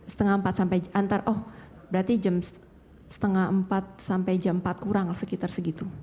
setengah empat sampai jam empat kurang sekitar segitu